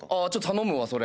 頼むわそれ。